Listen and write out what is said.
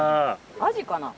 アジかな？